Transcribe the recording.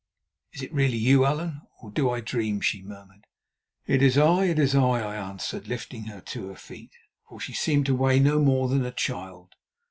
"Is it really you, Allan, or do I dream?" she murmured. "It is I, it is I," I answered, lifting her to her feet, for she seemed to weigh no more than a child.